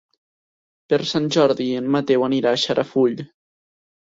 Per Sant Jordi en Mateu anirà a Xarafull.